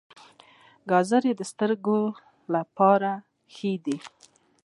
ګازرې د سترګو لپاره ښې دي